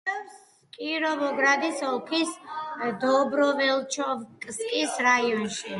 მდებარეობს კიროვოგრადის ოლქის დობროველიჩკოვკის რაიონში.